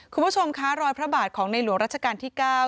คุณผู้ชมคะรอยพระบาทของในหลวงรัชกาลที่๙